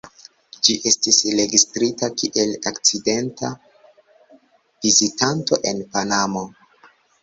Ĝi estis registrita kiel akcidenta vizitanto en Panamo.